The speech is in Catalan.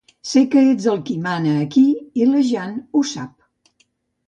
Sé que ets qui mana aquí i la Jeanne ho sap.